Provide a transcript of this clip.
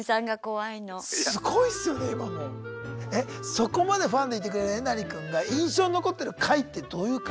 そこまでファンでいてくれるえなり君が印象に残ってる回ってどういう回？